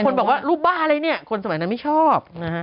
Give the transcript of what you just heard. บอกว่ารูปบ้าอะไรเนี่ยคนสมัยนั้นไม่ชอบนะฮะ